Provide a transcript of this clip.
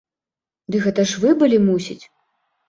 Ды гэта ж вы былі, мусіць!